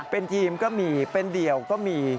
เป็นทีมก็มีเป็นเดี่ยวก็มี